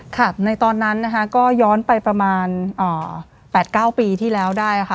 ในตอนนั้นนะคะก็ย้อนไปประมาณ๘๙ปีที่แล้วได้ค่ะ